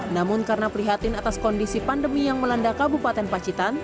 namun karena prihatin atas kondisi pandemi yang melanda kabupaten pacitan